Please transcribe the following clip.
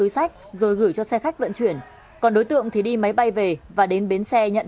xin chào và hẹn gặp lại trong các bản tin tiếp theo